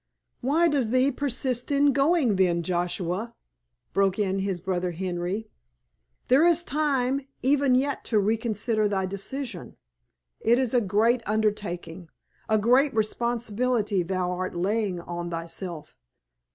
"Why does thee persist in going then, Joshua?" broke in his brother Henry. "There is time even yet to reconsider thy decision. It is a great undertaking, a great responsibility thou art laying on thyself.